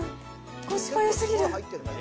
コスパよすぎる。